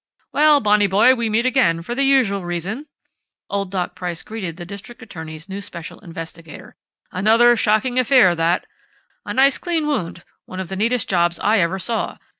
"Well, Bonnie boy, we meet again, for the usual reason," old Dr. Price greeted the district attorney's new special investigator. "Another shocking affair that.... A nice clean wound, one of the neatest jobs I ever saw.